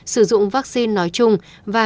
sử dụng vaccine nói chung và